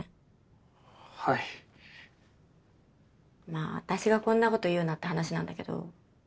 まあ私がこんなこと言うなって話なんだけど。